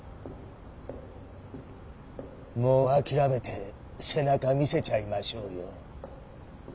・もう諦めて背中見せちゃいましょうよォ。